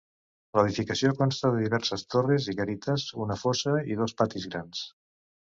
L'edificació consta de diverses torres i garites, una fossa i dos patis grans.